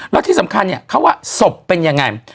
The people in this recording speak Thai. แล้วที่สำคัญเนี่ยเขาว่าศพเป็นยังไง